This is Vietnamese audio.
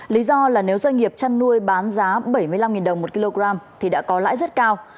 lý do là nếu doanh nghiệp chăn nuôi bán giá bảy mươi năm đồng một kg thì đã có lãi rất cao